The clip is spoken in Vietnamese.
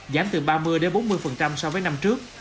giảm từ ba mươi bốn mươi so với năm trước